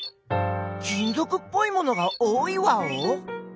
金ぞくっぽいものが多いワオ？